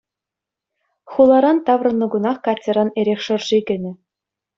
Хуларан таврӑннӑ кунах Катьӑран эрех шӑрши кӗнӗ.